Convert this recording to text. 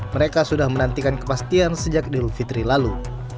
mereka sudah menantikan kepastian sejak di lufitri lalu